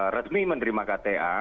resmi menerima kta